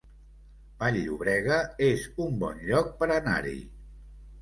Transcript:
Vall-llobrega es un bon lloc per anar-hi